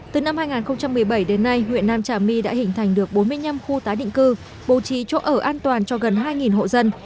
từ năm hai nghìn một mươi bảy đến nay huyện nam trà my đã hình thành được bốn mươi năm khu tái định cư bố trí chỗ ở an toàn cho gần hai hộ dân